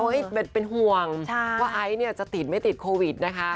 ให้เป็นห่วงว่าไอซ์เนี่ยจะติดไม่ติดโควิดนะคะ